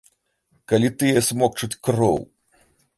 Калі тыя смокчуць кроў.